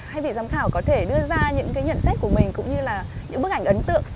thay vì giám khảo có thể đưa ra những cái nhận xét của mình cũng như là những bức ảnh ấn tượng